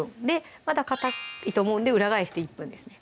まだかたいと思うんで裏返して１分ですね